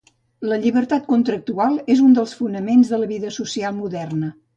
La llibertat contractual és un dels fonaments de la vida social moderna.